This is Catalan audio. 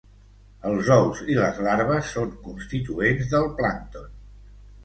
Els ous i les larves són constituents del plàncton.